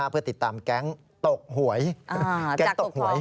เพื่อติดตามแก๊งตกหวย